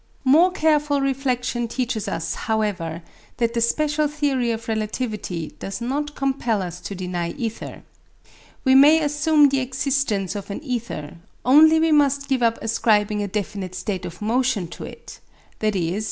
More careful reflection teaches us, however, that the special theory of relativity does not compel us to deny ether. We may assume the existence of an ether; only we must give up ascribing a definite state of motion to it, i.e.